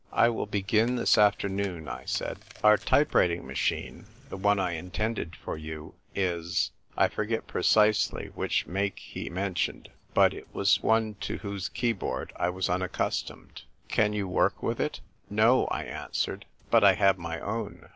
"I will begin this afternoon," I said. " Our type writing machine — the one I in tended for you — is " I forget precisely which make he mentioned, but it was one to whose keyboard I was unaccustomed. " Can you work with it ?"" No," I answered. " But I have my own.